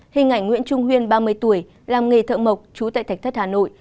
hình ảnh nguyễn trung huyên ba mươi tuổi làm nghề thợ mộc trú tại thạch thất hà nội